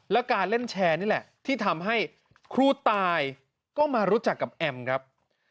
และการเล่นแชร์นี่แหละที่ทำให้ครูตายก็มารู้จักกับแอมครับ